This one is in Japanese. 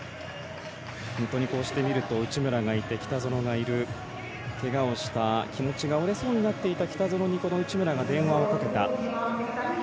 こうして見ると内村がいて、北園がいる怪我をした気持ちが折れそうになっていた北園にこの内村が電話をかけた。